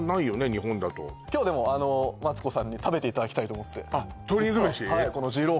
日本だと今日でもマツコさんに食べていただきたいと思って実はあっ鶏肉飯？